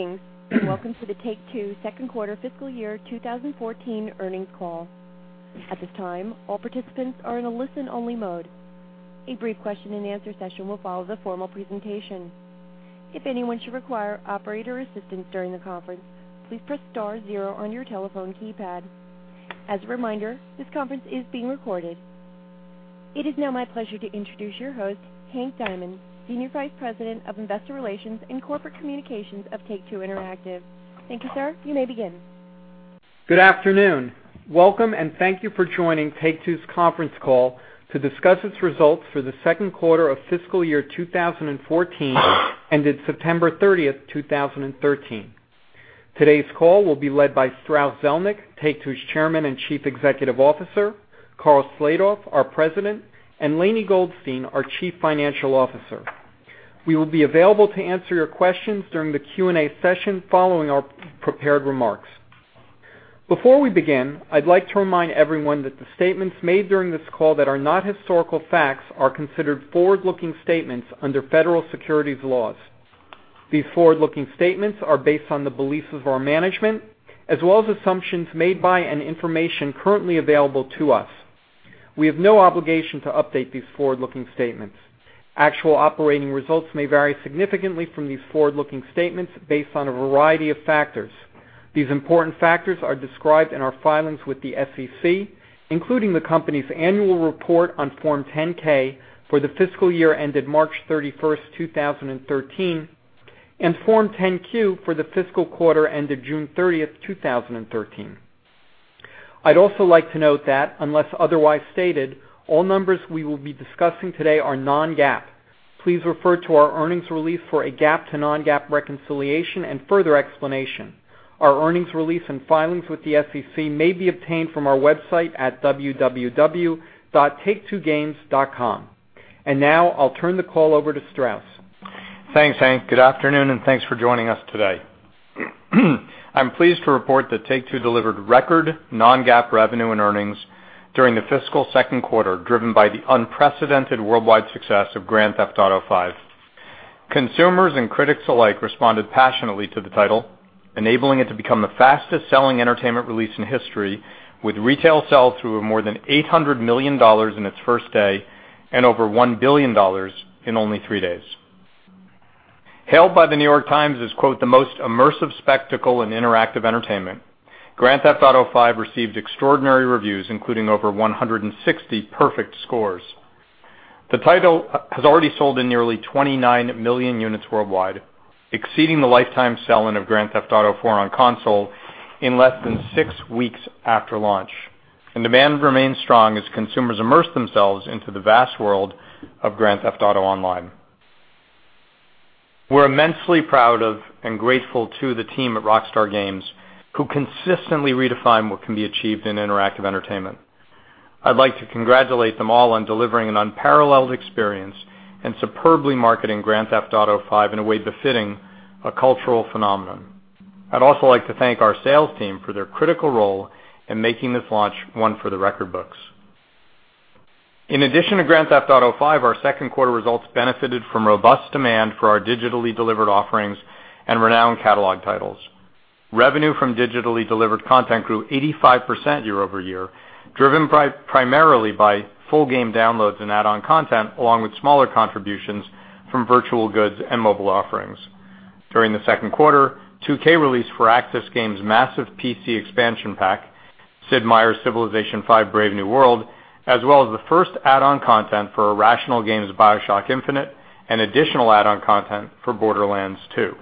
Good evening, welcome to the Take-Two second quarter fiscal year 2014 earnings call. At this time, all participants are in a listen-only mode. A brief question and answer session will follow the formal presentation. If anyone should require operator assistance during the conference, please press star zero on your telephone keypad. As a reminder, this conference is being recorded. It is now my pleasure to introduce your host, Hank Diamond, Senior Vice President of Investor Relations and Corporate Communications of Take-Two Interactive. Thank you, sir. You may begin. Good afternoon. Welcome and thank you for joining Take-Two's conference call to discuss its results for the second quarter of fiscal year 2014 ended September 30th, 2013. Today's call will be led by Strauss Zelnick, Take-Two's Chairman and Chief Executive Officer, Karl Slatoff, our President, and Lainie Goldstein, our Chief Financial Officer. We will be available to answer your questions during the Q&A session following our prepared remarks. Before we begin, I'd like to remind everyone that the statements made during this call that are not historical facts are considered forward-looking statements under federal securities laws. These forward-looking statements are based on the beliefs of our management as well as assumptions made by and information currently available to us. We have no obligation to update these forward-looking statements. Actual operating results may vary significantly from these forward-looking statements based on a variety of factors. These important factors are described in our filings with the SEC, including the company's annual report on Form 10-K for the fiscal year ended March 31st, 2013, and Form 10-Q for the fiscal quarter ended June 30th, 2013. I'd also like to note that unless otherwise stated, all numbers we will be discussing today are non-GAAP. Please refer to our earnings release for a GAAP to non-GAAP reconciliation and further explanation. Our earnings release and filings with the SEC may be obtained from our website at www.take2games.com. Now I'll turn the call over to Strauss. Thanks, Hank. Good afternoon, thanks for joining us today. I'm pleased to report that Take-Two delivered record non-GAAP revenue and earnings during the fiscal second quarter, driven by the unprecedented worldwide success of Grand Theft Auto V. Consumers and critics alike responded passionately to the title, enabling it to become the fastest-selling entertainment release in history, with retail sell-through of more than $800 million in its first day and over $1 billion in only three days. Hailed by The New York Times as, quote, "the most immersive spectacle in interactive entertainment," Grand Theft Auto V received extraordinary reviews, including over 160 perfect scores. The title has already sold in nearly 29 million units worldwide, exceeding the lifetime sell-in of Grand Theft Auto IV on console in less than six weeks after launch. Demand remains strong as consumers immerse themselves into the vast world of Grand Theft Auto Online. We're immensely proud of and grateful to the team at Rockstar Games, who consistently redefine what can be achieved in interactive entertainment. I'd like to congratulate them all on delivering an unparalleled experience and superbly marketing Grand Theft Auto V in a way befitting a cultural phenomenon. I'd also like to thank our sales team for their critical role in making this launch one for the record books. In addition to Grand Theft Auto V, our second quarter results benefited from robust demand for our digitally delivered offerings and renowned catalog titles. Revenue from digitally delivered content grew 85% year-over-year, driven primarily by full game downloads and add-on content, along with smaller contributions from virtual goods and mobile offerings. During the second quarter, 2K released Firaxis Games' massive PC expansion pack, Sid Meier's Civilization V: Brave New World, as well as the first add-on content for Irrational Games' BioShock Infinite and additional add-on content for Borderlands 2.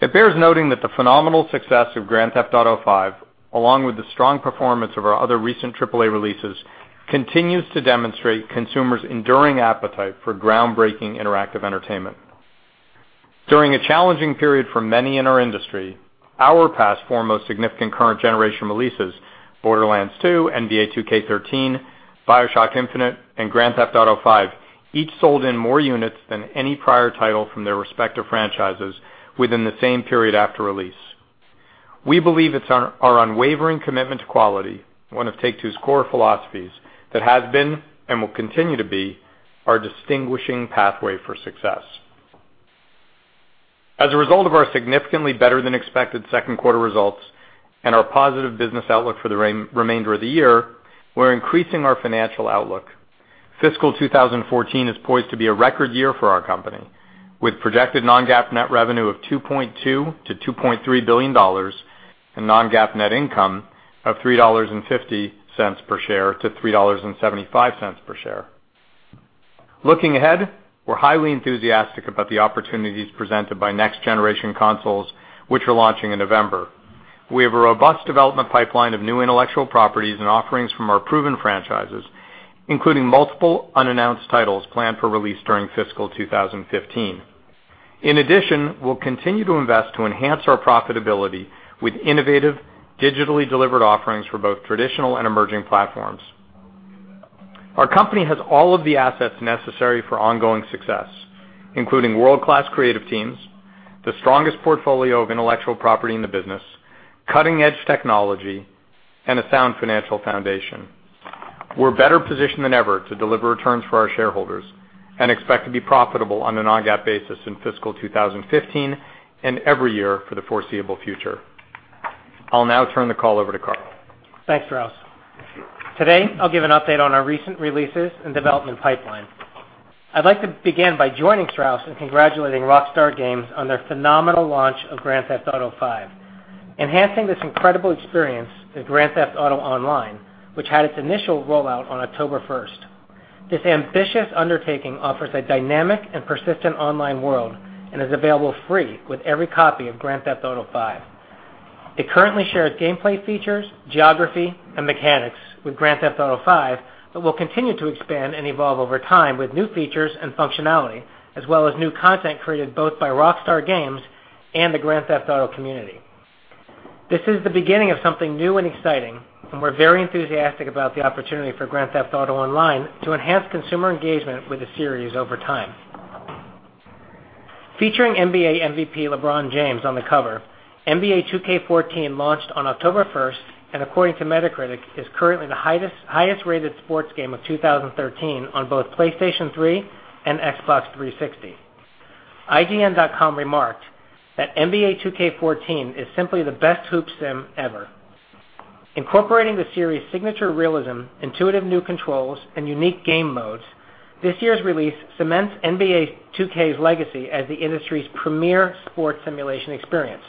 It bears noting that the phenomenal success of Grand Theft Auto V, along with the strong performance of our other recent AAA releases, continues to demonstrate consumers' enduring appetite for groundbreaking interactive entertainment. During a challenging period for many in our industry, our past four most significant current generation releases, Borderlands 2, NBA 2K13, BioShock Infinite, and Grand Theft Auto V, each sold in more units than any prior title from their respective franchises within the same period after release. We believe it's our unwavering commitment to quality, one of Take-Two's core philosophies, that has been and will continue to be our distinguishing pathway for success. As a result of our significantly better than expected second quarter results and our positive business outlook for the remainder of the year, we're increasing our financial outlook. Fiscal 2014 is poised to be a record year for our company, with projected non-GAAP net revenue of $2.2 billion-$2.3 billion and non-GAAP net income of $3.50 per share-$3.75 per share. Looking ahead, we're highly enthusiastic about the opportunities presented by next-generation consoles, which are launching in November. We have a robust development pipeline of new intellectual properties and offerings from our proven franchises, including multiple unannounced titles planned for release during fiscal 2015. In addition, we'll continue to invest to enhance our profitability with innovative digitally delivered offerings for both traditional and emerging platforms. Our company has all of the assets necessary for ongoing success, including world-class creative teams, the strongest portfolio of intellectual property in the business, cutting-edge technology, and a sound financial foundation. We're better positioned than ever to deliver returns for our shareholders and expect to be profitable on a non-GAAP basis in fiscal 2015 and every year for the foreseeable future. I'll now turn the call over to Karl. Thanks, Strauss. Today, I'll give an update on our recent releases and development pipeline. I'd like to begin by joining Strauss in congratulating Rockstar Games on their phenomenal launch of Grand Theft Auto V. Enhancing this incredible experience is Grand Theft Auto Online, which had its initial rollout on October 1st. This ambitious undertaking offers a dynamic and persistent online world and is available free with every copy of Grand Theft Auto V. It currently shares gameplay features, geography, and mechanics with Grand Theft Auto V, but will continue to expand and evolve over time with new features and functionality, as well as new content created both by Rockstar Games and the Grand Theft Auto community. This is the beginning of something new and exciting, and we're very enthusiastic about the opportunity for Grand Theft Auto Online to enhance consumer engagement with the series over time. Featuring NBA MVP LeBron James on the cover, NBA 2K14 launched on October 1st. According to Metacritic, it is currently the highest-rated sports game of 2013 on both PlayStation 3 and Xbox 360. ign.com remarked that "NBA 2K14 is simply the best hoop sim ever." Incorporating the series' signature realism, intuitive new controls, and unique game modes, this year's release cements NBA 2K's legacy as the industry's premier sports simulation experience.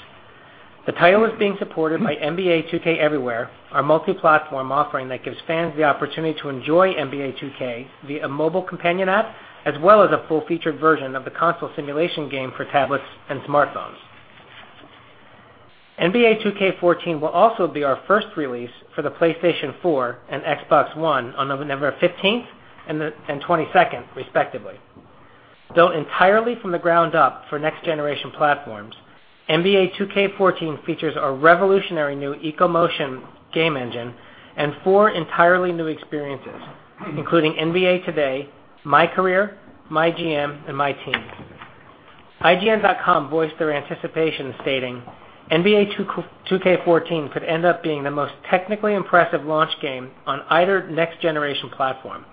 The title is being supported by NBA 2K Everywhere, our multi-platform offering that gives fans the opportunity to enjoy NBA 2K via a mobile companion app, as well as a full-featured version of the console simulation game for tablets and smartphones. NBA 2K14 will also be our first release for the PlayStation 4 and Xbox One on November 15th and 22nd, respectively. Built entirely from the ground up for next-generation platforms, NBA 2K14 features our revolutionary new Eco-Motion game engine and four entirely new experiences, including NBA Today, MyCareer, MyGM, and MyTeam. ign.com voiced their anticipation, stating, "NBA 2K14 could end up being the most technically impressive launch game on either next-generation platform."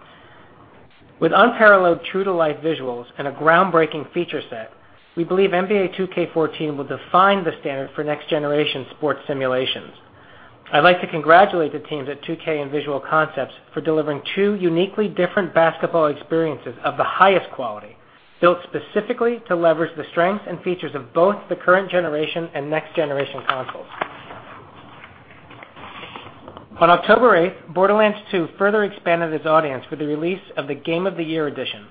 With unparalleled true-to-life visuals and a groundbreaking feature set, we believe NBA 2K14 will define the standard for next-generation sports simulations. I'd like to congratulate the teams at 2K and Visual Concepts for delivering two uniquely different basketball experiences of the highest quality, built specifically to leverage the strengths and features of both the current generation and next-generation consoles. On October 8th, Borderlands 2 further expanded its audience with the release of the Game of the Year Edition,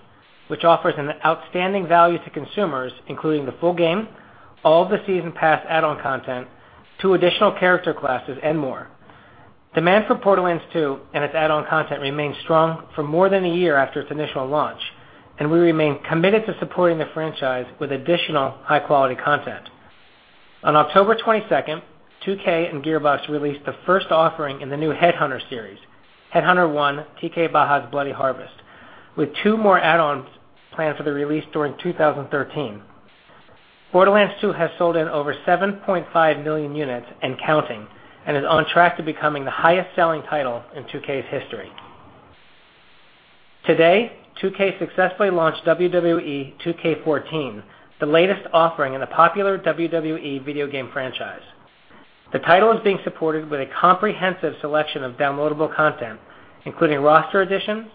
which offers an outstanding value to consumers, including the full game, all of the season pass add-on content, two additional character classes, and more. Demand for Borderlands 2 and its add-on content remains strong for more than a year after its initial launch. We remain committed to supporting the franchise with additional high-quality content. On October 22nd, 2K and Gearbox released the first offering in the new Headhunter series, Headhunter 1: T.K. Baha's Bloody Harvest, with two more add-ons planned for the release during 2013. Borderlands 2 has sold in over 7.5 million units and counting and is on track to becoming the highest-selling title in 2K's history. Today, 2K successfully launched WWE 2K14, the latest offering in the popular WWE video game franchise. The title is being supported with a comprehensive selection of downloadable content, including roster additions,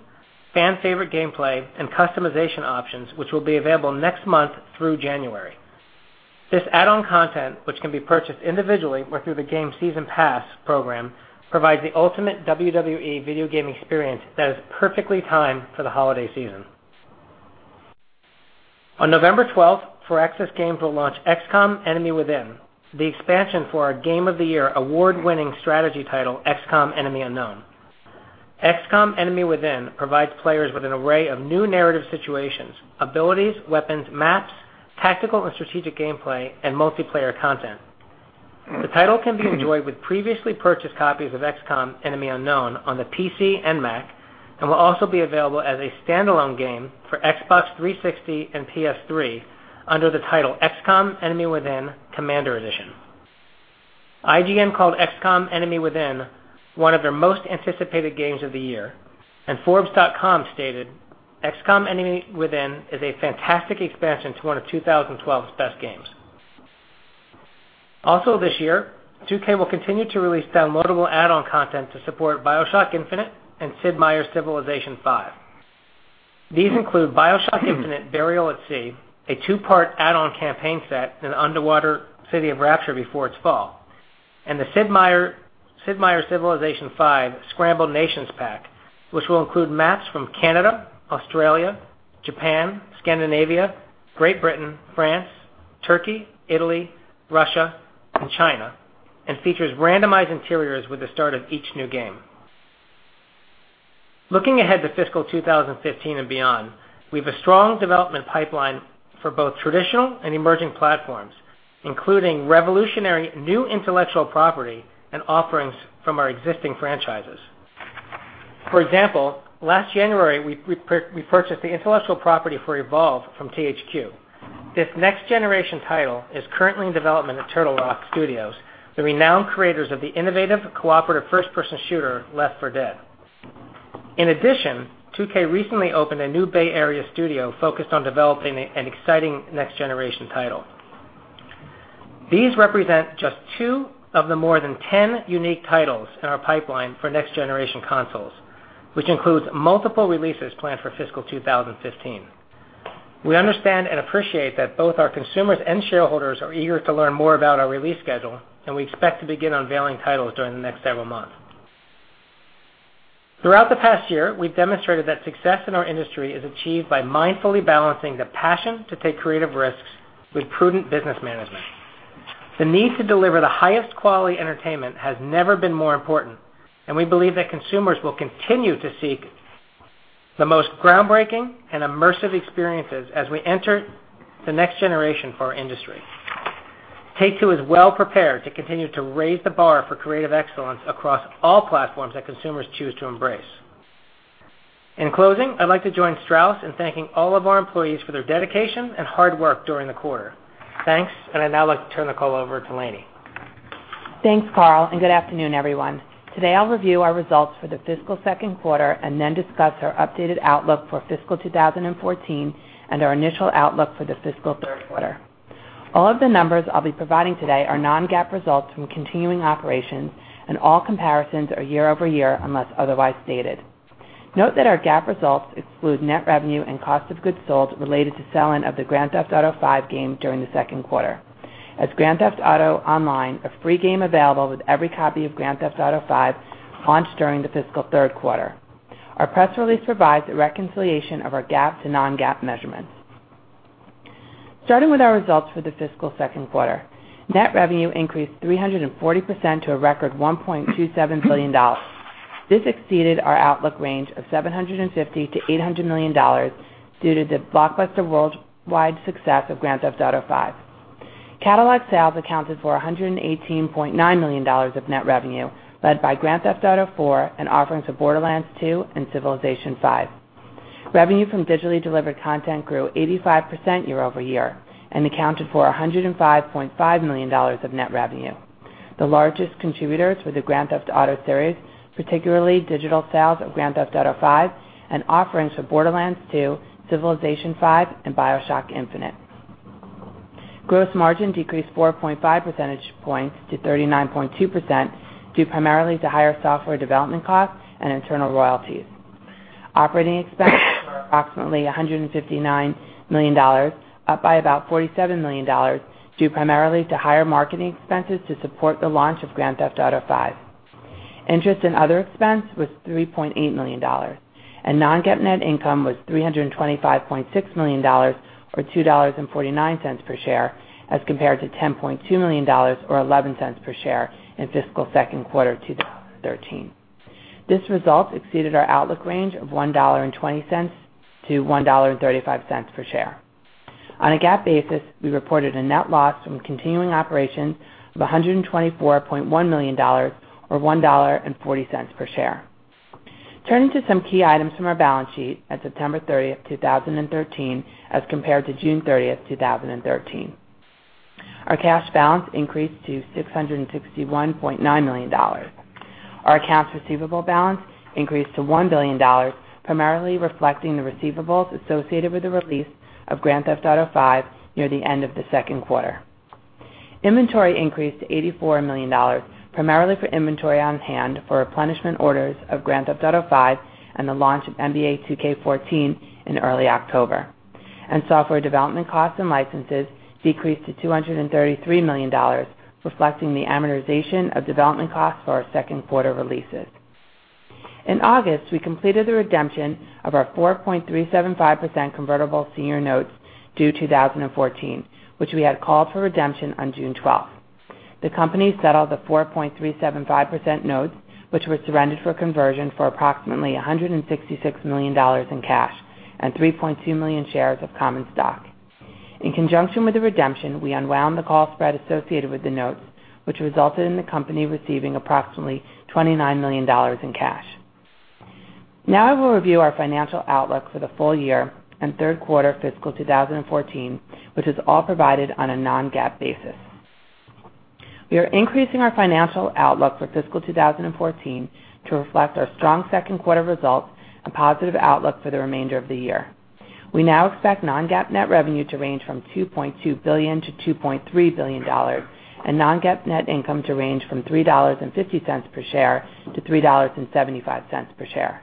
fan-favorite gameplay, and customization options, which will be available next month through January. This add-on content, which can be purchased individually or through the game's season pass program, provides the ultimate WWE video game experience that is perfectly timed for the holiday season. On November 12th, Firaxis Games will launch "XCOM: Enemy Within," the expansion for our Game of the Year award-winning strategy title, "XCOM: Enemy Unknown." "XCOM: Enemy Within" provides players with an array of new narrative situations, abilities, weapons, maps, tactical and strategic gameplay, and multiplayer content. The title can be enjoyed with previously purchased copies of "XCOM: Enemy Unknown" on the PC and Mac and will also be available as a standalone game for Xbox 360 and PS3 under the title "XCOM: Enemy Within – Commander Edition." IGN called "XCOM: Enemy Within" one of their most anticipated games of the year, and forbes.com stated, "XCOM: Enemy Within is a fantastic expansion to one of 2012's best games." This year, 2K will continue to release downloadable add-on content to support "BioShock Infinite" and "Sid Meier's Civilization V." These include "BioShock Infinite: Burial at Sea," a two-part add-on campaign set in the underwater city of Rapture before its fall, and the "Sid Meier's Civilization V: Scrambled Nations pack," which will include maps from Canada, Australia, Japan, Scandinavia, Great Britain, France, Turkey, Italy, Russia, and China, and features randomized interiors with the start of each new game. Looking ahead to fiscal 2015 and beyond, we have a strong development pipeline for both traditional and emerging platforms, including revolutionary new intellectual property and offerings from our existing franchises. Last January, we purchased the intellectual property for "Evolve" from THQ. This next generation title is currently in development at Turtle Rock Studios, the renowned creators of the innovative cooperative first-person shooter, "Left 4 Dead." 2K recently opened a new Bay Area studio focused on developing an exciting next-generation title. These represent just two of the more than 10 unique titles in our pipeline for next-generation consoles, which includes multiple releases planned for fiscal 2015. We understand and appreciate that both our consumers and shareholders are eager to learn more about our release schedule, and we expect to begin unveiling titles during the next several months. Throughout the past year, we've demonstrated that success in our industry is achieved by mindfully balancing the passion to take creative risks with prudent business management. The need to deliver the highest quality entertainment has never been more important, and we believe that consumers will continue to seek the most groundbreaking and immersive experiences as we enter the next generation for our industry. Take-Two is well-prepared to continue to raise the bar for creative excellence across all platforms that consumers choose to embrace. I'd like to join Strauss in thanking all of our employees for their dedication and hard work during the quarter. Thanks, I'd now like to turn the call over to Lainie. Thanks, Karl, and good afternoon, everyone. Today, I'll review our results for the fiscal second quarter, then discuss our updated outlook for fiscal 2014 and our initial outlook for the fiscal third quarter. All of the numbers I'll be providing today are non-GAAP results from continuing operations, and all comparisons are year-over-year, unless otherwise stated. Note that our GAAP results exclude net revenue and cost of goods sold related to selling of the Grand Theft Auto V game during the second quarter. Grand Theft Auto Online, a free game available with every copy of Grand Theft Auto V, launched during the fiscal third quarter. Our press release provides a reconciliation of our GAAP to non-GAAP measurements. Starting with our results for the fiscal second quarter, net revenue increased 340% to a record $1.27 billion. This exceeded our outlook range of $750 million-$800 million due to the blockbuster worldwide success of Grand Theft Auto V. Catalog sales accounted for $118.9 million of net revenue, led by Grand Theft Auto IV and offerings of Borderlands 2 and Civilization V. Revenue from digitally delivered content grew 85% year-over-year and accounted for $105.5 million of net revenue. The largest contributors were the Grand Theft Auto series, particularly digital sales of Grand Theft Auto V, and offerings for Borderlands 2, Civilization V, and BioShock Infinite. Gross margin decreased 4.5 percentage points to 39.2%, due primarily to higher software development costs and internal royalties. Operating expenses were approximately $159 million, up by about $47 million, due primarily to higher marketing expenses to support the launch of Grand Theft Auto V. Interest in other expense was $3.8 million. Non-GAAP net income was $325.6 million or $2.49 per share as compared to $10.2 million or $0.11 per share in fiscal second quarter 2013. This result exceeded our outlook range of $1.20-$1.35 per share. On a GAAP basis, we reported a net loss from continuing operations of $124.1 million or $1.40 per share. Turning to some key items from our balance sheet at September 30, 2013, as compared to June 30, 2013. Our cash balance increased to $661.9 million. Our accounts receivable balance increased to $1 billion, primarily reflecting the receivables associated with the release of Grand Theft Auto V near the end of the second quarter. Inventory increased to $84 million, primarily for inventory on hand for replenishment orders of Grand Theft Auto V and the launch of NBA 2K14 in early October. Software development costs and licenses decreased to $233 million, reflecting the amortization of development costs for our second quarter releases. In August, we completed the redemption of our 4.375% convertible senior notes due 2014, which we had called for redemption on June 12th. The company settled the 4.375% notes, which were surrendered for conversion for approximately $166 million in cash and 3.2 million shares of common stock. In conjunction with the redemption, we unwound the call spread associated with the notes, which resulted in the company receiving approximately $29 million in cash. Now I will review our financial outlook for the full year and third quarter fiscal 2014, which is all provided on a non-GAAP basis. We are increasing our financial outlook for fiscal 2014 to reflect our strong second quarter results and positive outlook for the remainder of the year. We now expect non-GAAP net revenue to range from $2.2 billion to $2.3 billion, and non-GAAP net income to range from $3.50 per share to $3.75 per share.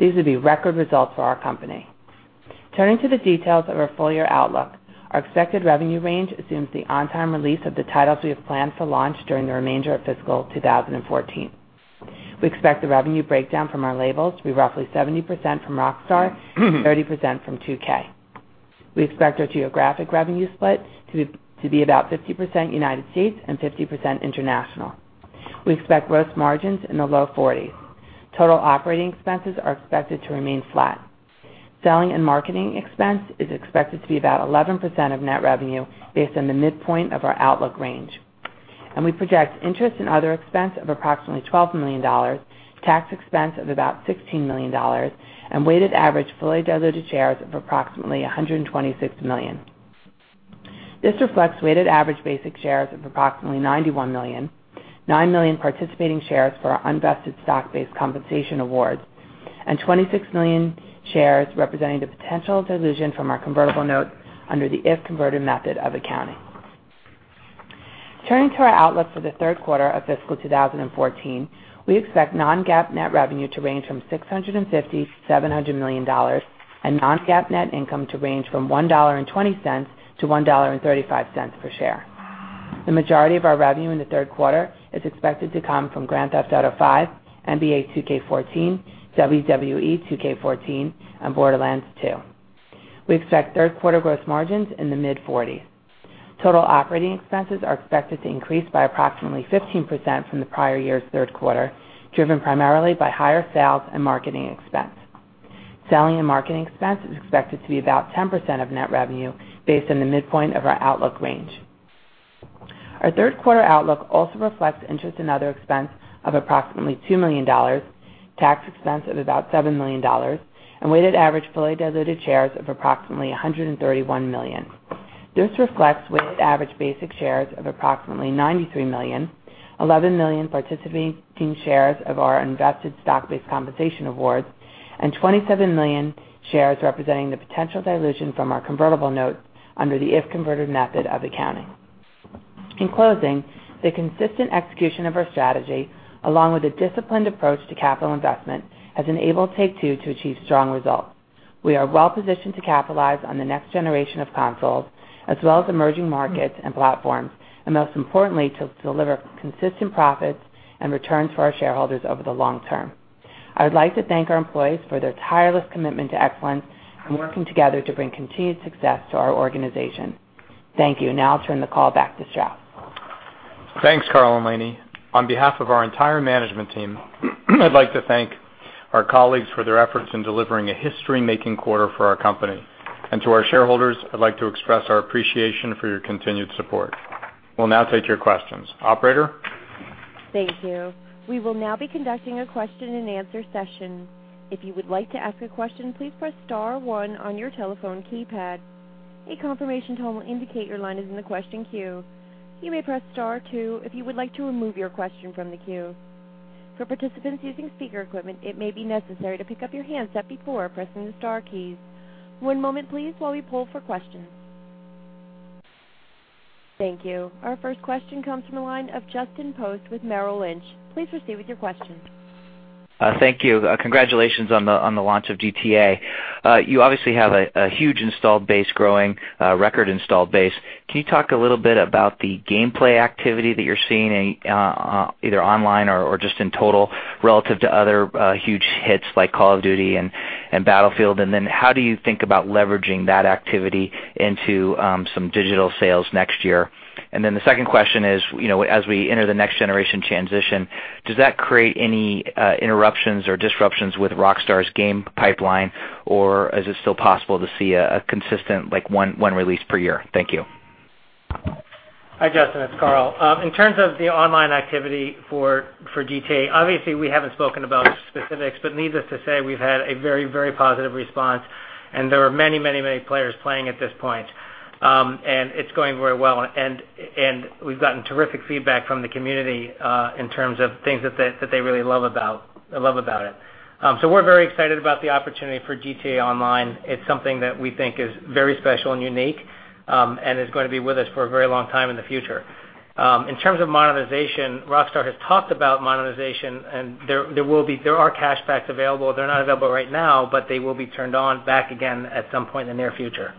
These would be record results for our company. Turning to the details of our full-year outlook, our expected revenue range assumes the on-time release of the titles we have planned for launch during the remainder of fiscal 2014. We expect the revenue breakdown from our labels to be roughly 70% from Rockstar and 30% from 2K. We expect our geographic revenue split to be about 50% U.S. and 50% international. We expect gross margins in the low 40s. Total operating expenses are expected to remain flat. Selling and marketing expense is expected to be about 11% of net revenue based on the midpoint of our outlook range. We project interest in other expense of approximately $12 million, tax expense of about $16 million, and weighted average fully diluted shares of approximately 126 million. This reflects weighted average basic shares of approximately 91 million, 9 million participating shares for our unvested stock-based compensation awards, and 26 million shares representing the potential dilution from our convertible notes under the if-converted method of accounting. Turning to our outlook for the third quarter of fiscal 2014, we expect non-GAAP net revenue to range from $650 million to $700 million and non-GAAP net income to range from $1.20 to $1.35 per share. The majority of our revenue in the third quarter is expected to come from Grand Theft Auto V, NBA 2K14, WWE 2K14, and Borderlands 2. We expect third quarter gross margins in the mid-40s. Total operating expenses are expected to increase by approximately 15% from the prior year's third quarter, driven primarily by higher sales and marketing expense. Selling and marketing expense is expected to be about 10% of net revenue based on the midpoint of our outlook range. Our third quarter outlook also reflects interest in other expense of approximately $2 million, tax expense of about $7 million, and weighted average fully diluted shares of approximately 131 million. This reflects weighted average basic shares of approximately 93 million, 11 million participating shares of our unvested stock-based compensation awards, and 27 million shares representing the potential dilution from our convertible notes under the if-converted method of accounting. In closing, the consistent execution of our strategy, along with a disciplined approach to capital investment, has enabled Take-Two to achieve strong results. We are well-positioned to capitalize on the next generation of consoles, as well as emerging markets and platforms, and most importantly, to deliver consistent profits and returns for our shareholders over the long term. I would like to thank our employees for their tireless commitment to excellence and working together to bring continued success to our organization. Thank you. I'll turn the call back to Strauss. Thanks, Karl and Lainie. On behalf of our entire management team, I'd like to thank our colleagues for their efforts in delivering a history-making quarter for our company. To our shareholders, I'd like to express our appreciation for your continued support. We'll now take your questions. Operator? Thank you. We will now be conducting a question-and-answer session. If you would like to ask a question, please press star 1 on your telephone keypad. A confirmation tone will indicate your line is in the question queue. You may press star 2 if you would like to remove your question from the queue. For participants using speaker equipment, it may be necessary to pick up your handset before pressing the star keys. One moment please, while we poll for questions. Thank you. Our first question comes from the line of Justin Post with Merrill Lynch. Please proceed with your question. Thank you. Congratulations on the launch of GTA. You obviously have a huge installed base growing, a record installed base. Can you talk a little bit about the gameplay activity that you're seeing either online or just in total relative to other huge hits like Call of Duty and Battlefield? How do you think about leveraging that activity into some digital sales next year? The second question is, as we enter the next generation transition, does that create any interruptions or disruptions with Rockstar's game pipeline? Is it still possible to see a consistent one release per year? Thank you. Hi, Justin. It's Karl. In terms of the online activity for GTA, obviously we haven't spoken about specifics, but needless to say, we've had a very positive response, and there are many players playing at this point. It's going very well, and we've gotten terrific feedback from the community in terms of things that they really love about it. We're very excited about the opportunity for GTA Online. It's something that we think is very special and unique and is going to be with us for a very long time in the future. In terms of monetization, Rockstar has talked about monetization, and there are cash backs available. They're not available right now, but they will be turned on back again at some point in the near future.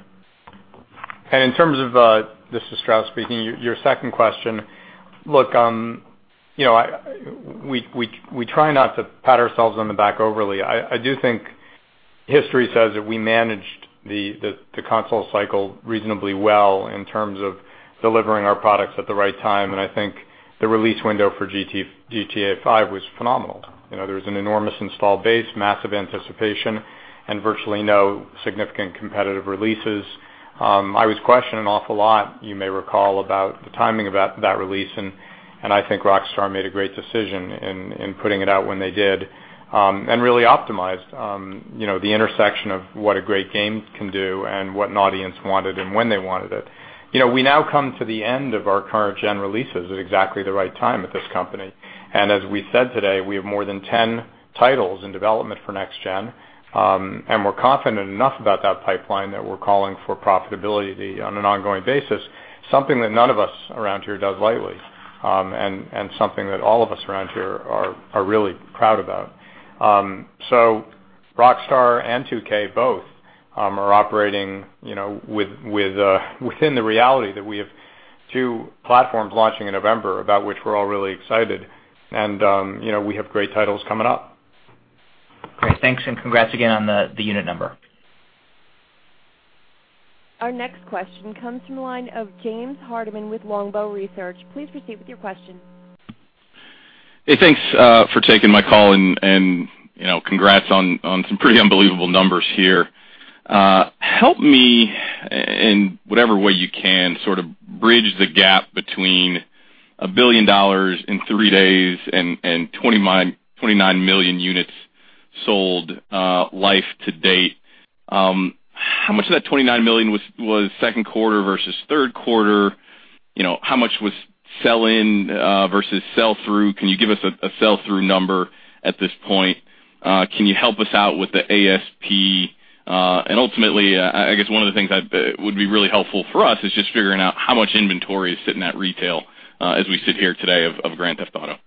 In terms of, this is Strauss speaking, your second question. We try not to pat ourselves on the back overly. I do think history says that we managed the console cycle reasonably well in terms of delivering our products at the right time, and I think the release window for GTA V was phenomenal. There's an enormous install base, massive anticipation, and virtually no significant competitive releases. I was questioned an awful lot, you may recall, about the timing of that release, and I think Rockstar made a great decision in putting it out when they did and really optimized the intersection of what a great game can do and what an audience wanted and when they wanted it. We now come to the end of our current-gen releases at exactly the right time at this company. As we said today, we have more than 10 titles in development for next-gen, and we're confident enough about that pipeline that we're calling for profitability on an ongoing basis, something that none of us around here does lightly and something that all of us around here are really proud about. Rockstar and 2K both are operating within the reality that we have two platforms launching in November about which we're all really excited, and we have great titles coming up. Great. Thanks, congrats again on the unit number. Our next question comes from the line of James Hardiman with Longbow Research. Please proceed with your question. Hey, thanks for taking my call. Congrats on some pretty unbelievable numbers here. Help me, in whatever way you can, bridge the gap between $1 billion in 3 days and 29 million units sold life to date. How much of that 29 million was second quarter versus third quarter? How much was sell-in versus sell-through? Can you give us a sell-through number at this point? Can you help us out with the ASP? Ultimately, I guess one of the things that would be really helpful for us is just figuring out how much inventory is sitting at retail as we sit here today of Grand Theft Auto.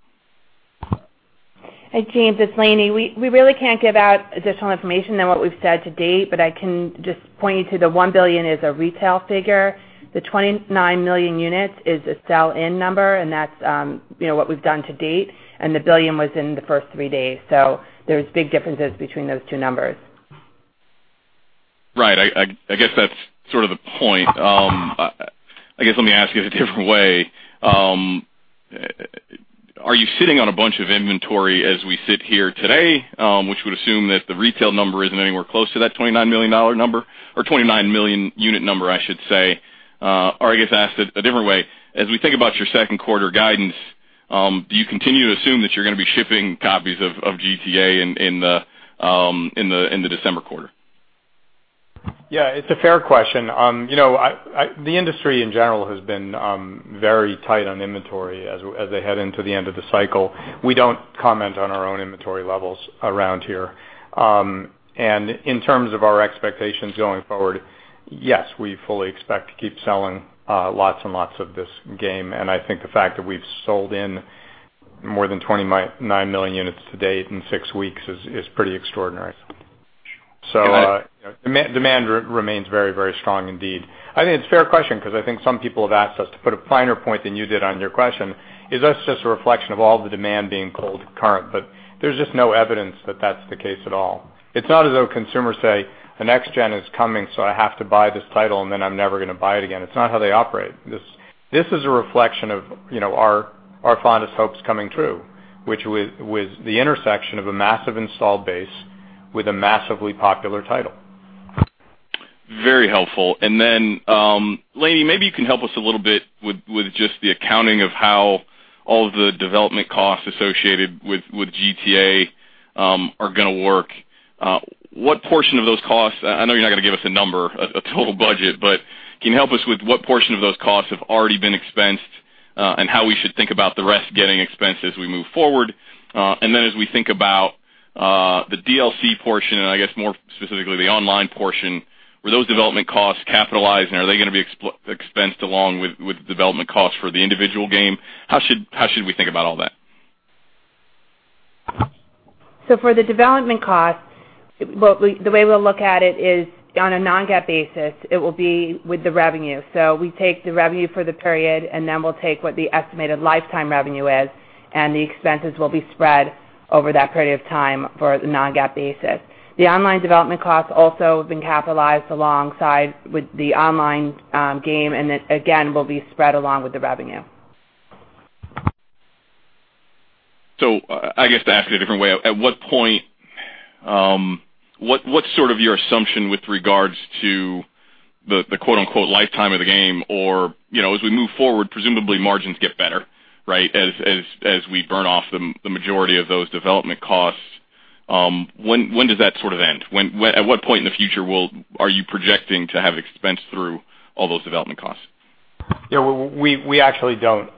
Hey, James, it's Lainie. We really can't give out additional information than what we've said to date. I can just point you to the $1 billion is a retail figure. The 29 million units is a sell-in number, and that's what we've done to date, and the $1 billion was in the first 3 days. There's big differences between those two numbers. Right. I guess that's sort of the point. I guess, let me ask it a different way. Are you sitting on a bunch of inventory as we sit here today, which would assume that the retail number isn't anywhere close to that 29 million unit number? I guess, asked a different way, as we think about your second quarter guidance, do you continue to assume that you're going to be shipping copies of GTA in the December quarter? Yeah, it's a fair question. The industry, in general, has been very tight on inventory as they head into the end of the cycle. We don't comment on our own inventory levels around here. In terms of our expectations going forward, yes, we fully expect to keep selling lots and lots of this game. I think the fact that we've sold in more than 29 million units to date in 6 weeks is pretty extraordinary. Demand remains very, very strong indeed. I think it's a fair question because I think some people have asked us to put a finer point than you did on your question. Is this just a reflection of all the demand being pulled current? There's just no evidence that that's the case at all. It's not as though consumers say, "The Next Gen is coming, so I have to buy this title, and then I'm never going to buy it again." It's not how they operate. This is a reflection of our fondest hopes coming true, which was the intersection of a massive install base with a massively popular title. Very helpful. Lainie, maybe you can help us a little bit with just the accounting of how all of the development costs associated with GTA are going to work. What portion of those costs, I know you're not going to give us a number, a total budget, but can you help us with what portion of those costs have already been expensed and how we should think about the rest getting expensed as we move forward? As we think about the DLC portion, and I guess more specifically the online portion, were those development costs capitalized, and are they going to be expensed along with development costs for the individual game? How should we think about all that? For the development cost, the way we'll look at it is on a non-GAAP basis, it will be with the revenue. We take the revenue for the period, we'll take what the estimated lifetime revenue is, the expenses will be spread over that period of time for the non-GAAP basis. The online development costs also have been capitalized alongside the online game, will be spread along with the revenue. I guess to ask it a different way, what's sort of your assumption with regards to the "lifetime" of the game, or as we move forward, presumably margins get better, right, as we burn off the majority of those development costs. When does that sort of end? At what point in the future are you projecting to have expensed through all those development costs? Yeah, we actually don't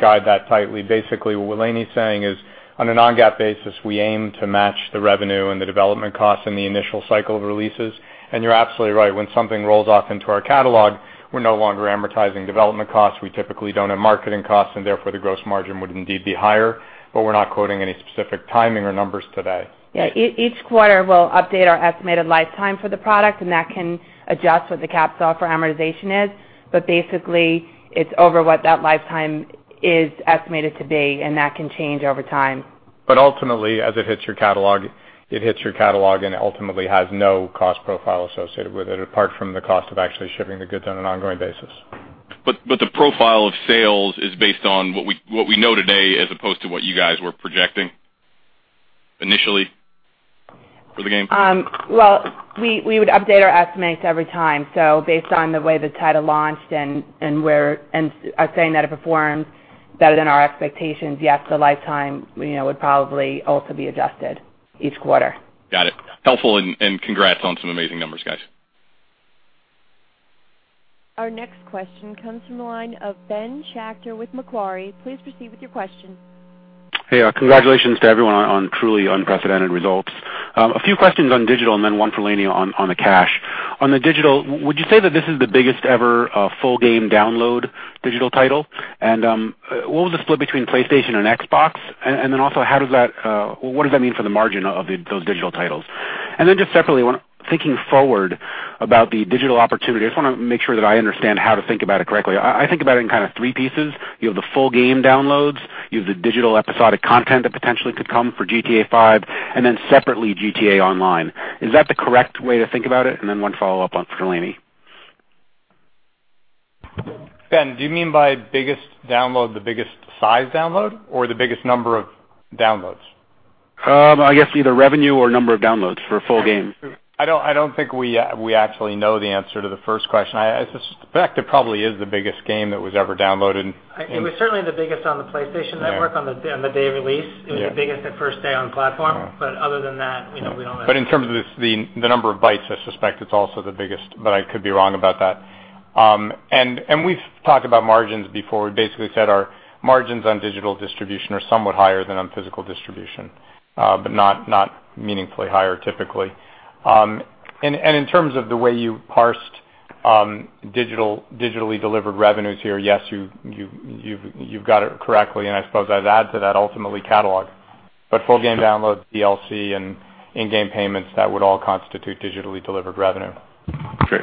guide that tightly. Basically, what Lainie's saying is on a non-GAAP basis, we aim to match the revenue and the development costs in the initial cycle of releases. You're absolutely right. When something rolls off into our catalog, we're no longer amortizing development costs. We typically don't have marketing costs, and therefore, the gross margin would indeed be higher. We're not quoting any specific timing or numbers today. Yeah. Each quarter, we'll update our estimated lifetime for the product, and that can adjust what the capitalized cost for amortization is. Basically, it's over what that lifetime is estimated to be, and that can change over time. Ultimately, as it hits your catalog, it hits your catalog and ultimately has no cost profile associated with it, apart from the cost of actually shipping the goods on an ongoing basis. The profile of sales is based on what we know today as opposed to what you guys were projecting initially for the game? We would update our estimates every time. Based on the way the title launched, and I'm saying that it performs better than our expectations, yes, the lifetime would probably also be adjusted each quarter. Got it. Helpful, congrats on some amazing numbers, guys. Our next question comes from the line of Ben Schachter with Macquarie. Please proceed with your question. Congratulations to everyone on truly unprecedented results. A few questions on digital and then one for Lainie on the cash. On the digital, would you say that this is the biggest ever full game download digital title? What was the split between PlayStation and Xbox? Then also, what does that mean for the margin of those digital titles? Then just separately, thinking forward about the digital opportunity, I just want to make sure that I understand how to think about it correctly. I think about it in kind of three pieces. You have the full game downloads, you have the digital episodic content that potentially could come for GTA V, and then separately, GTA Online. Is that the correct way to think about it? Then one follow-up for Lainie. Ben, do you mean by biggest download, the biggest size download or the biggest number of downloads? I guess either revenue or number of downloads for a full game. I don't think we actually know the answer to the first question. I suspect it probably is the biggest game that was ever downloaded. It was certainly the biggest on the PlayStation Network on the day of release. Yeah. It was the biggest at first day on platform. Other than that, we don't know. In terms of the number of bytes, I suspect it's also the biggest, but I could be wrong about that. We've talked about margins before. We basically said our margins on digital distribution are somewhat higher than on physical distribution, but not meaningfully higher, typically. In terms of the way you parsed digitally delivered revenues here, yes, you've got it correctly, and I suppose I'd add to that, ultimately, catalog. Full game downloads, DLC, and in-game payments, that would all constitute digitally delivered revenue. Great.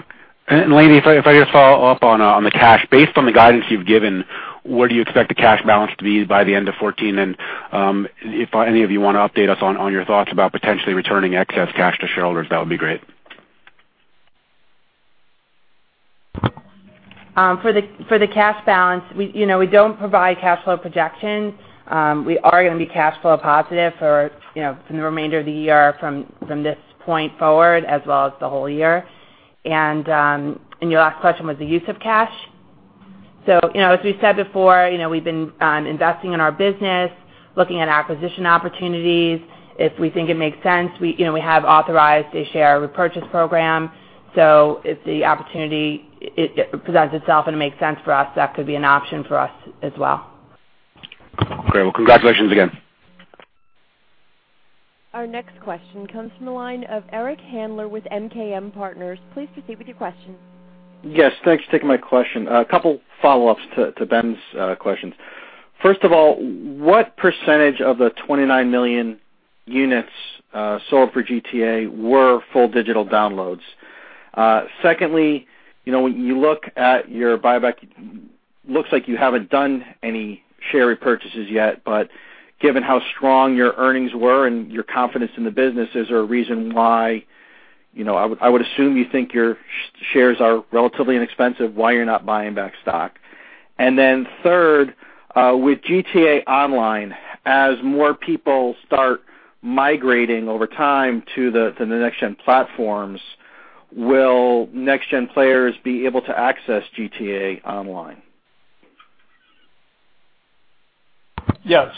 Lainie, if I just follow up on the cash. Based on the guidance you've given, where do you expect the cash balance to be by the end of 2014? If any of you want to update us on your thoughts about potentially returning excess cash to shareholders, that would be great. For the cash balance, we don't provide cash flow projections. We are going to be cash flow positive for the remainder of the year from this point forward, as well as the whole year. Your last question was the use of cash? As we said before, we've been investing in our business, looking at acquisition opportunities. If we think it makes sense, we have authorized a share repurchase program. If the opportunity presents itself and it makes sense for us, that could be an option for us as well. Great. Well, congratulations again. Our next question comes from the line of Eric Handler with MKM Partners. Please proceed with your question. Yes, thanks for taking my question. A couple follow-ups to Ben's questions. First of all, what percentage of the 29 million units sold for "GTA" were full digital downloads? Secondly, when you look at your buyback, looks like you haven't done any share repurchases yet, but given how strong your earnings were and your confidence in the business, is there a reason why, I would assume you think your shares are relatively inexpensive, why you're not buying back stock? Third, with "GTA Online," as more people start migrating over time to the next-gen platforms, will next-gen players be able to access "GTA Online"? Yeah.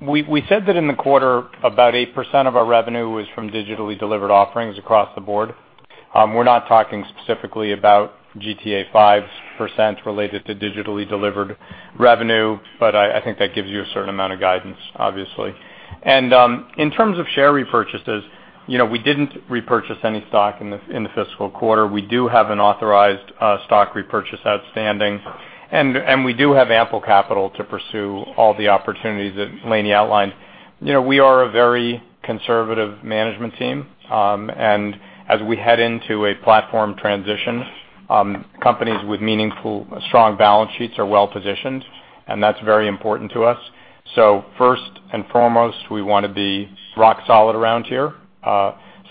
We said that in the quarter, about 8% of our revenue was from digitally delivered offerings across the board. We're not talking specifically about "GTA V's" percent related to digitally delivered revenue, but I think that gives you a certain amount of guidance, obviously. In terms of share repurchases, we didn't repurchase any stock in the fiscal quarter. We do have an authorized stock repurchase outstanding, and we do have ample capital to pursue all the opportunities that Lainie outlined. We are a very conservative management team, and as we head into a platform transition, companies with meaningful, strong balance sheets are well-positioned, and that's very important to us. First and foremost, we want to be rock solid around here.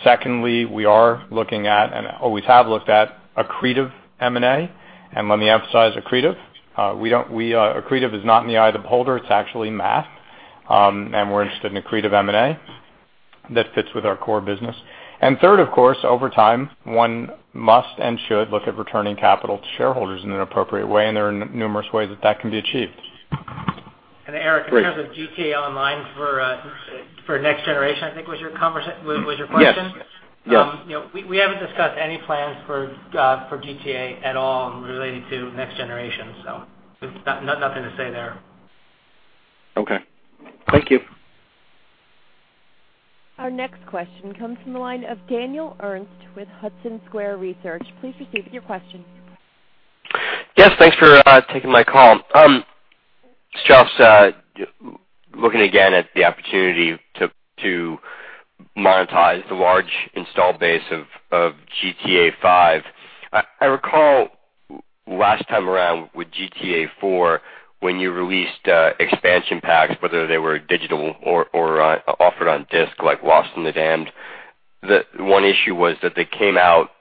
Secondly, we are looking at, and always have looked at, accretive M&A. Let me emphasize accretive. Accretive is not in the eye of the beholder. We're interested in accretive M&A that fits with our core business. Third, of course, over time, one must and should look at returning capital to shareholders in an appropriate way. There are numerous ways that that can be achieved. Eric, in terms of "GTA Online" for next generation, I think was your question? Yes. We haven't discussed any plans for "GTA" at all related to next generation. Nothing to say there. Okay. Thank you. Our next question comes from the line of Daniel Ernst with Hudson Square Research. Please proceed with your question. Yes, thanks for taking my call. Strauss, looking again at the opportunity to monetize the large install base of "GTA V," I recall last time around with "GTA IV," when you released expansion packs, whether they were digital or offered on disk, like "The Lost and Damned," one issue was that they came out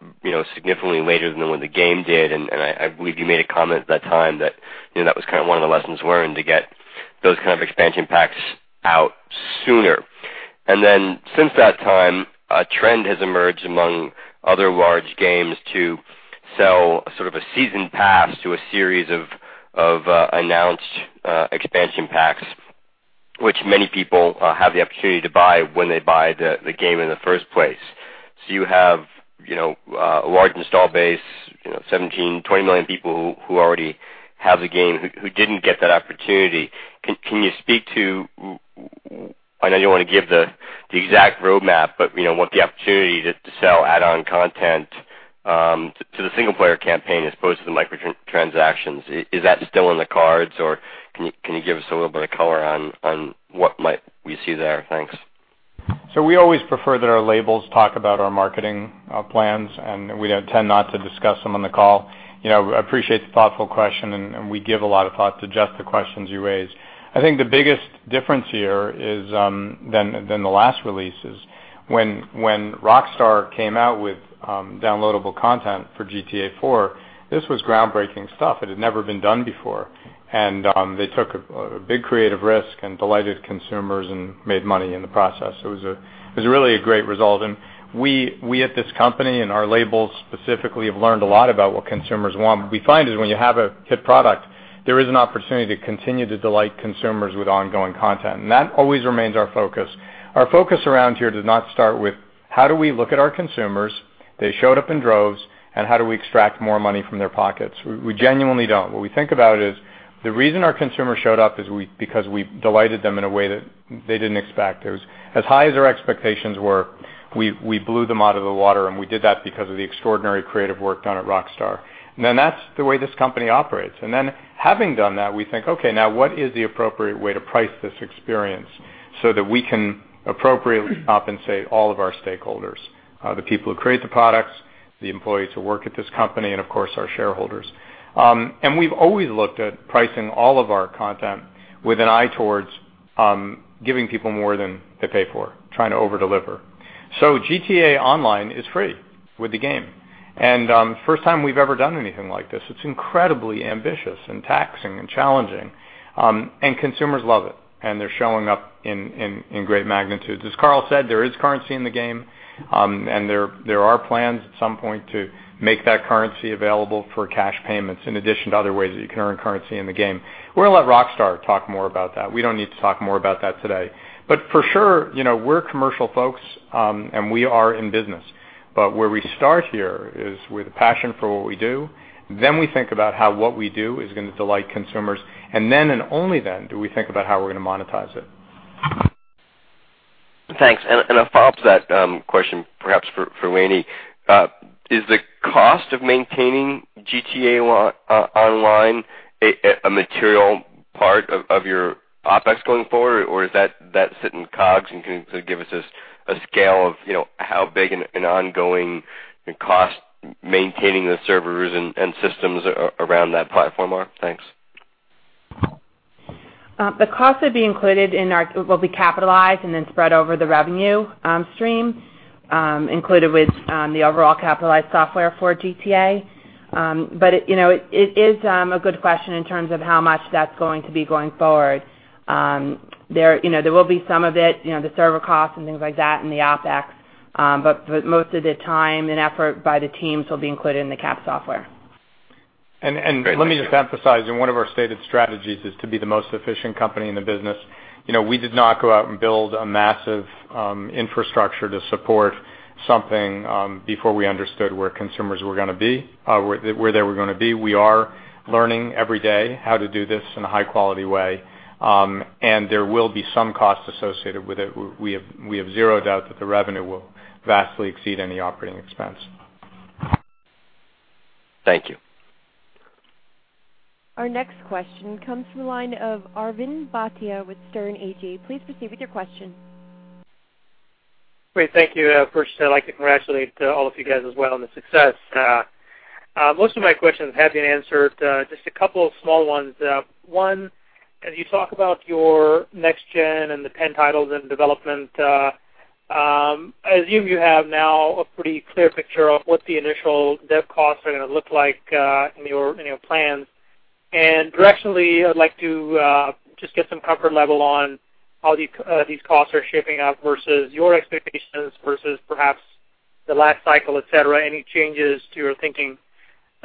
significantly later than when the game did, and I believe you made a comment at that time that that was one of the lessons learned, to get those kind of expansion packs out sooner. Since that time, a trend has emerged among other large games to sell sort of a season pass to a series of announced expansion packs, which many people have the opportunity to buy when they buy the game in the first place. You have a large install base, 17 million, 20 million people who already have the game who didn't get that opportunity. Can you speak to, I know you don't want to give the exact roadmap, but what the opportunity to sell add-on content to the single-player campaign as opposed to the microtransactions, is that still in the cards, or can you give us a little bit of color on what might we see there? Thanks. We always prefer that our labels talk about our marketing plans, and we tend not to discuss them on the call. I appreciate the thoughtful question, and we give a lot of thought to just the questions you raised. I think the biggest difference here is, than the last release is, when Rockstar came out with downloadable content for "GTA 4," this was groundbreaking stuff. It had never been done before, and they took a big creative risk and delighted consumers and made money in the process. It was really a great result. We at this company and our labels specifically have learned a lot about what consumers want. What we find is when you have a hit product, there is an opportunity to continue to delight consumers with ongoing content. That always remains our focus. Our focus around here does not start with how do we look at our consumers, they showed up in droves, and how do we extract more money from their pockets? We genuinely don't. What we think about is the reason our consumers showed up is because we delighted them in a way that they didn't expect. As high as their expectations were, we blew them out of the water, and we did that because of the extraordinary creative work done at Rockstar. That's the way this company operates. Having done that, we think, okay, now what is the appropriate way to price this experience so that we can appropriately compensate all of our stakeholders, the people who create the products, the employees who work at this company, and of course, our shareholders. We've always looked at pricing all of our content with an eye towards giving people more than they pay for, trying to over-deliver. "GTA Online" is free with the game, and first time we've ever done anything like this. It's incredibly ambitious and taxing and challenging, and consumers love it, and they're showing up in great magnitudes. As Karl said, there is currency in the game, and there are plans at some point to make that currency available for cash payments, in addition to other ways that you can earn currency in the game. We're going to let Rockstar talk more about that. We don't need to talk more about that today. For sure, we're commercial folks, and we are in business. Where we start here is with a passion for what we do, then we think about how what we do is going to delight consumers, and then, and only then, do we think about how we're going to monetize it. Thanks. A follow-up to that question, perhaps for Lainie. Is the cost of maintaining "GTA Online" a material part of your OpEx going forward, or does that sit in COGS? Can you give us a scale of how big an ongoing cost maintaining the servers and systems around that platform are? Thanks. The cost will be capitalized and then spread over the revenue stream, included with the overall capitalized software for Grand Theft Auto. It is a good question in terms of how much that's going to be going forward. There will be some of it, the server costs and things like that in the OpEx, but most of the time and effort by the teams will be included in the capitalized software. Let me just emphasize, one of our stated strategies is to be the most efficient company in the business. We did not go out and build a massive infrastructure to support something before we understood where consumers were going to be. We are learning every day how to do this in a high-quality way. There will be some costs associated with it. We have zero doubt that the revenue will vastly exceed any operating expense. Thank you. Our next question comes from the line of Arvind Bhatia with Sterne Agee. Please proceed with your question. Great. Thank you. First, I'd like to congratulate all of you guys as well on the success. Most of my questions have been answered. Just a couple of small ones. One, as you talk about your next gen and the 10 titles in development, I assume you have now a pretty clear picture of what the initial dev costs are going to look like in your plans. Directionally, I'd like to just get some comfort level on how these costs are shaping up versus your expectations versus perhaps the last cycle, et cetera. Any changes to your thinking?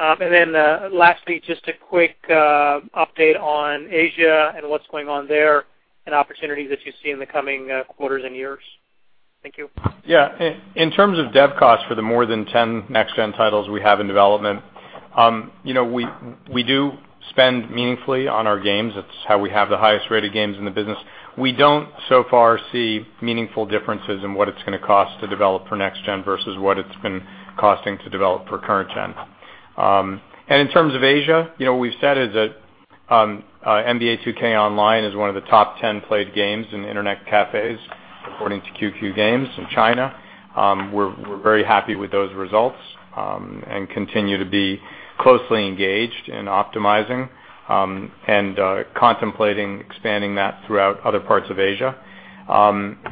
Lastly, just a quick update on Asia and what's going on there and opportunities that you see in the coming quarters and years. Thank you. Yeah. In terms of dev costs for the more than 10 next gen titles we have in development, we do spend meaningfully on our games. That's how we have the highest-rated games in the business. We don't so far see meaningful differences in what it's going to cost to develop for next gen versus what it's been costing to develop for current gen. In terms of Asia, what we've said is that "NBA 2K Online" is one of the top 10 played games in Internet cafes, according to QQ Games in China. We're very happy with those results and continue to be closely engaged in optimizing and contemplating expanding that throughout other parts of Asia.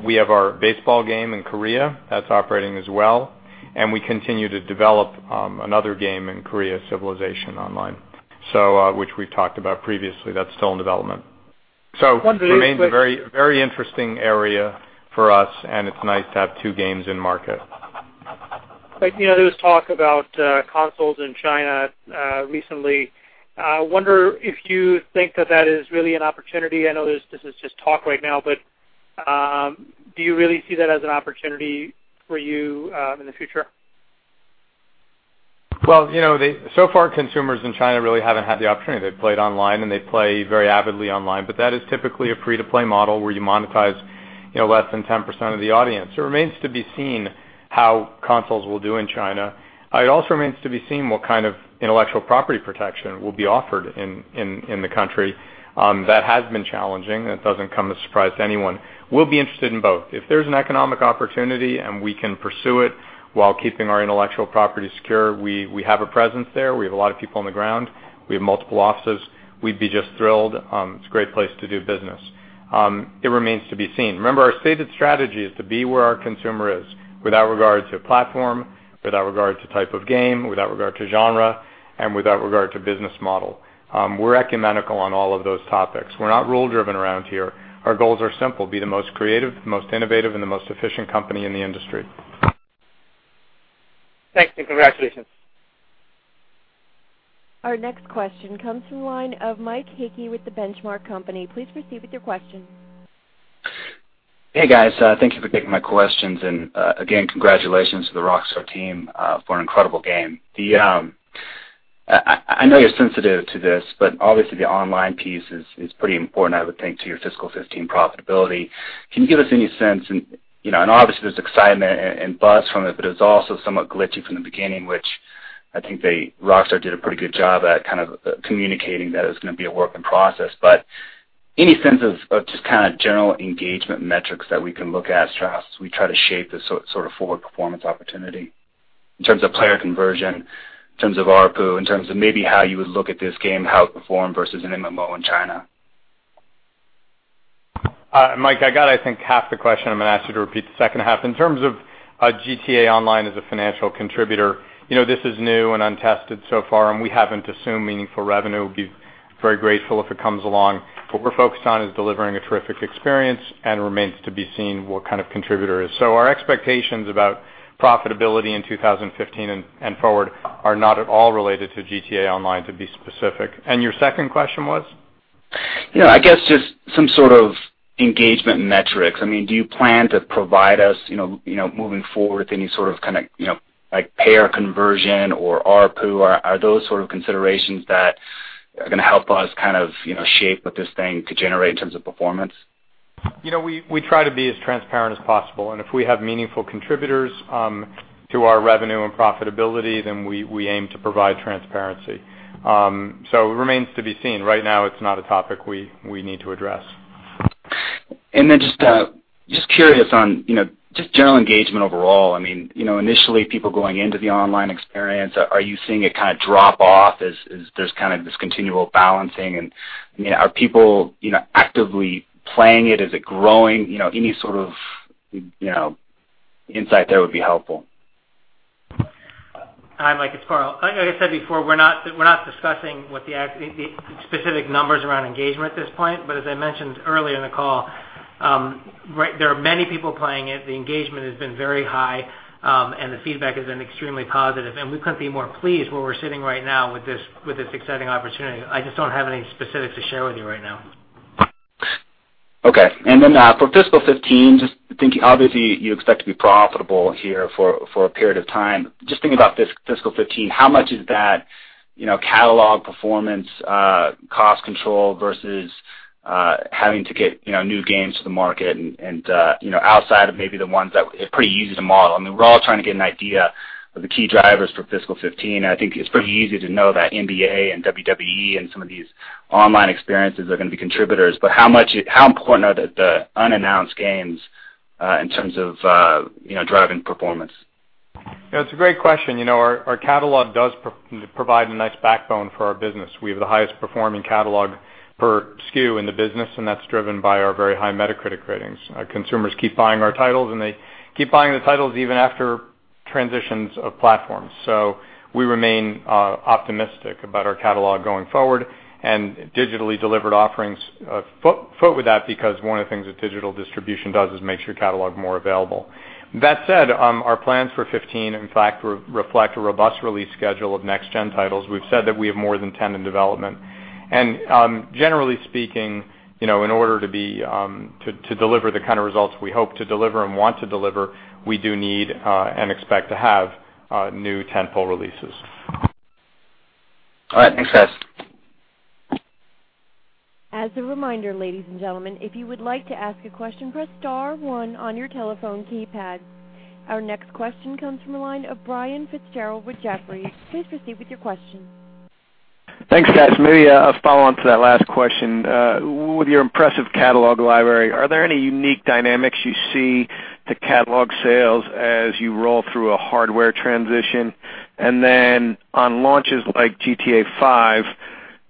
We have our baseball game in Korea. That's operating as well, and we continue to develop another game in Korea, "Civilization Online," which we've talked about previously. That's still in development. It remains a very interesting area for us, and it's nice to have two games in market. There was talk about consoles in China recently. I wonder if you think that that is really an opportunity. I know this is just talk right now, but do you really see that as an opportunity for you in the future? Well, so far, consumers in China really haven't had the opportunity. They've played online, and they play very avidly online, but that is typically a free-to-play model where you monetize less than 10% of the audience. It remains to be seen how consoles will do in China. It also remains to be seen what kind of intellectual property protection will be offered in the country. That has been challenging, and it doesn't come as a surprise to anyone. We'll be interested in both. If there's an economic opportunity and we can pursue it while keeping our intellectual property secure, we have a presence there. We have a lot of people on the ground. We have multiple offices. We'd be just thrilled. It's a great place to do business. It remains to be seen. Remember, our stated strategy is to be where our consumer is, without regard to platform, without regard to type of game, without regard to genre, and without regard to business model. We're ecumenical on all of those topics. We're not rule-driven around here. Our goals are simple: Be the most creative, most innovative and the most efficient company in the industry. Thanks, and congratulations. Our next question comes from the line of Mike Hickey with The Benchmark Company. Please proceed with your question. Hey, guys. Thank you for taking my questions, and, again, congratulations to the Rockstar Games team for an incredible game. I know you're sensitive to this, but obviously, the online piece is pretty important, I would think, to your FY 2015 profitability. Can you give us any sense, and obviously, there's excitement and buzz from it, but it was also somewhat glitchy from the beginning, which I think the Rockstar Games did a pretty good job at kind of communicating that it was going to be a work in process, but any sense of just kind of general engagement metrics that we can look at as we try to shape this sort of forward performance opportunity in terms of player conversion, in terms of ARPU, in terms of maybe how you would look at this game, how it performed versus an MMO in China? Mike, I got, I think, half the question. I'm going to ask you to repeat the second half. In terms of GTA Online as a financial contributor, this is new and untested so far, and we haven't assumed meaningful revenue. We'd be very grateful if it comes along. What we're focused on is delivering a terrific experience, and it remains to be seen what kind of contributor it is. Our expectations about profitability in 2015 and forward are not at all related to GTA Online, to be specific. Your second question was? I guess just some sort of engagement metrics. Do you plan to provide us, moving forward, any sort of like payer conversion or ARPU? Are those sort of considerations that are going to help us kind of shape what this thing could generate in terms of performance? We try to be as transparent as possible, and if we have meaningful contributors to our revenue and profitability, then we aim to provide transparency. It remains to be seen. Right now, it's not a topic we need to address. Just curious on just general engagement overall. Initially, people going into the online experience, are you seeing it kind of drop off as there's this continual balancing? Are people actively playing it? Is it growing? Any sort of insight there would be helpful. Hi, Mike, it's Karl. Like I said before, we're not discussing what the specific numbers around engagement at this point, but as I mentioned earlier in the call, there are many people playing it. The engagement has been very high, and the feedback has been extremely positive, and we couldn't be more pleased where we're sitting right now with this exciting opportunity. I just don't have any specifics to share with you right now. Okay. For fiscal 2015, just thinking, obviously, you expect to be profitable here for a period of time. Just thinking about fiscal 2015, how much is that catalog performance cost control versus having to get new games to the market and outside of maybe the ones that are pretty easy to model? We're all trying to get an idea of the key drivers for fiscal 2015. I think it's pretty easy to know that NBA and WWE and some of these online experiences are going to be contributors, but how important are the unannounced games in terms of driving performance? It's a great question. Our catalog does provide a nice backbone for our business. We have the highest performing catalog per SKU in the business, and that's driven by our very high Metacritic ratings. Our consumers keep buying our titles, and they keep buying the titles even after transitions of platforms. We remain optimistic about our catalog going forward and digitally delivered offerings foot with that because one of the things that digital distribution does is makes your catalog more available. That said, our plans for 2015, in fact, reflect a robust release schedule of next-gen titles. We've said that we have more than 10 in development. Generally speaking, in order to deliver the kind of results we hope to deliver and want to deliver, we do need and expect to have new tent pole releases. All right, thanks, guys. As a reminder, ladies and gentlemen, if you would like to ask a question, press star 1 on your telephone keypad. Our next question comes from the line of Brian Fitzgerald with Jefferies. Please proceed with your question. Thanks, guys. Maybe a follow-on to that last question. With your impressive catalog library, are there any unique dynamics you see to catalog sales as you roll through a hardware transition? On launches like GTA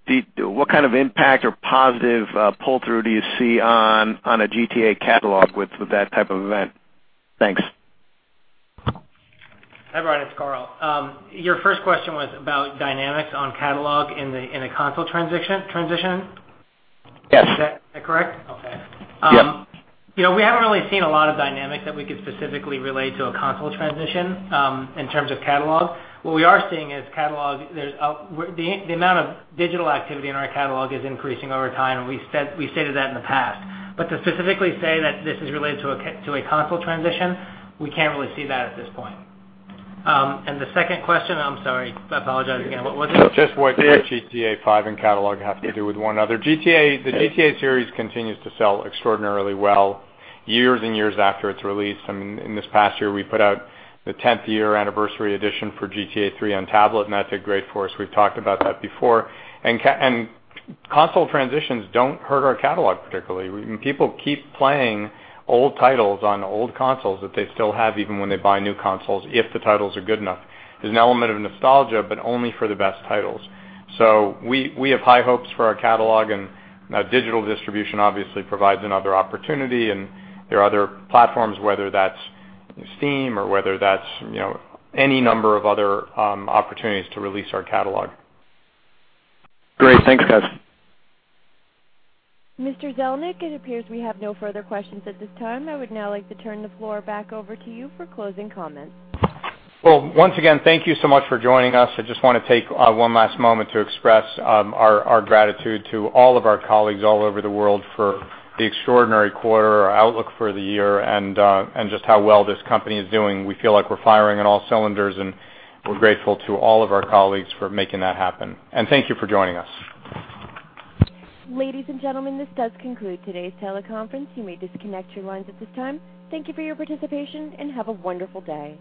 V, what kind of impact or positive pull-through do you see on a GTA catalog with that type of event? Thanks. Hi, Brian, it's Karl. Your first question was about dynamics on catalog in a console transition. Yes. Is that correct? Okay. Yep. We haven't really seen a lot of dynamics that we could specifically relate to a console transition in terms of catalog. What we are seeing is the amount of digital activity in our catalog is increasing over time, and we stated that in the past. To specifically say that this is related to a console transition, we can't really see that at this point. The second question, I'm sorry, I apologize again, what was it? Just what GTA V and catalog have to do with one another. The GTA series continues to sell extraordinarily well years and years after its release. In this past year, we put out the 10th year anniversary edition for GTA III on tablet, and that did great for us. We've talked about that before. Console transitions don't hurt our catalog particularly. People keep playing old titles on old consoles that they still have even when they buy new consoles if the titles are good enough. There's an element of nostalgia, but only for the best titles. We have high hopes for our catalog, and digital distribution obviously provides another opportunity, and there are other platforms, whether that's Steam or whether that's any number of other opportunities to release our catalog. Great. Thanks, guys. Mr. Zelnick, it appears we have no further questions at this time. I would now like to turn the floor back over to you for closing comments. Well, once again, thank you so much for joining us. I just want to take one last moment to express our gratitude to all of our colleagues all over the world for the extraordinary quarter, our outlook for the year and just how well this company is doing. We feel like we're firing on all cylinders, and we're grateful to all of our colleagues for making that happen. Thank you for joining us. Ladies and gentlemen, this does conclude today's teleconference. You may disconnect your lines at this time. Thank you for your participation, and have a wonderful day.